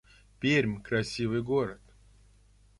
Пермь — красивый город